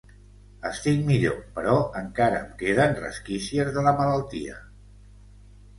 Estic millor, però encara em queden resquícies de la malaltia.